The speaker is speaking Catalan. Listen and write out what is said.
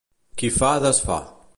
Qui fa, desfà.